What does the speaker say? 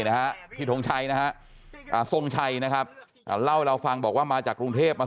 นะฮะพี่ทงชัยนะฮะทรงชัยนะครับเล่าให้เราฟังบอกว่ามาจากกรุงเทพมา